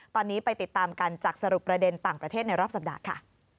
ตอนนี้ไปติดตามกันจากสรุปประเด็นต่างประเทศในรอบสัปดาห์ค่ะ